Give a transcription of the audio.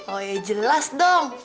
oh ya jelas dong